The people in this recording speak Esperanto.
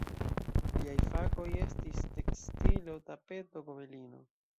Liaj fakoj estis tekstilo-tapeto-gobelino.